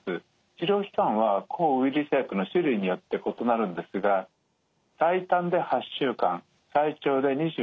治療期間は抗ウイルス薬の種類によって異なるんですが最短で８週間最長で２４週間です。